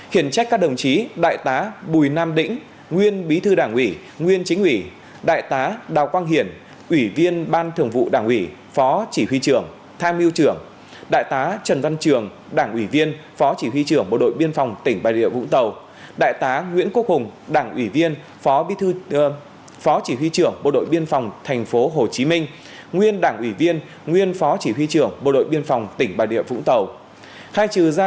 khiển trách các đồng chí đại tá bùi nam đĩnh nguyên bí thư đảng ủy nguyên chính ủy đại tá đào quang hiển ủy viên ban thường vụ đảng ủy phó chỉ huy trưởng tham yêu trưởng đại tá trần văn trường đảng ủy viên phó chỉ huy trưởng bộ đội biên phòng tỉnh bà rịa vũng tàu đại tá nguyễn quốc hùng đảng ủy viên phó chỉ huy trưởng bộ đội biên phòng thành phố hồ chí minh nguyên đảng ủy viên nguyên phó chỉ huy trưởng bộ đội biên phòng tỉnh bà rịa vũng tàu